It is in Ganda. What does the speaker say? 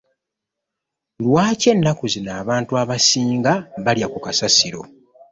Lwaki ennaku zino abantu abasinga balya ku kasasiro?